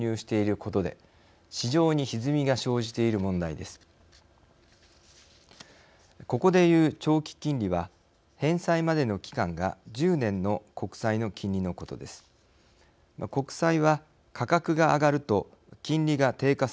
ここで言う長期金利は返済までの期間が１０年の国債の金利のことです。